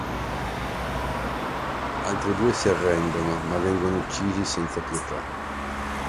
Altri due si arrendono, ma vengono uccisi senza pietà.